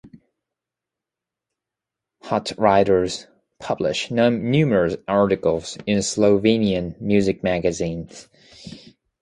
Hochreiter published numerous articles in Slovenian music magazines.